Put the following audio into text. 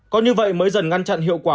có như vậy mới dần ngăn chặn hiệu quả